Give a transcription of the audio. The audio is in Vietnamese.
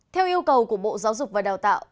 theo yêu cầu của bộ giáo dục và đào tạo